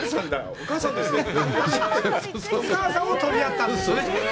お母さんを取り合ったんですね！？